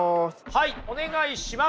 はいお願いします。